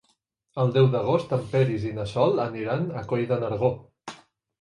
El deu d'agost en Peris i na Sol aniran a Coll de Nargó.